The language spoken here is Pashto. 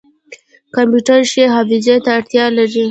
کمپیوټر ښې حافظې ته اړتیا لري.